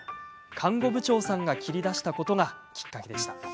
看護部長さんが切り出したことがきっかけでした。